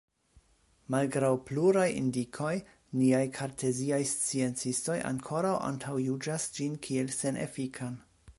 Malgraŭ pluraj indikoj, niaj karteziaj sciencistoj ankoraŭ antaŭjuĝas ĝin kiel senefikan.